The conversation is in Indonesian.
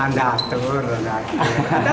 anda atur anda atur